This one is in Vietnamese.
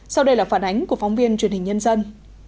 sau đây là phản ánh của phóng viên truyền hình nhân dân